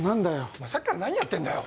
お前さっきから何やってんだよ。